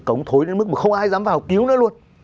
cống thối đến mức mà không ai dám vào cứu nữa luôn